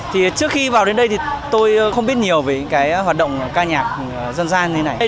thì trước khi vào đến đây thì tôi không biết nhiều về cái hoạt động ca nhạc dân gian như thế này